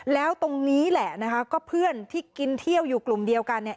แล้วตรงนี้แหละนะคะก็เพื่อนที่กินเที่ยวอยู่กลุ่มเดียวกันเนี่ย